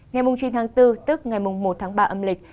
ngày chín tháng bốn tức ngày một tháng ba âm lịch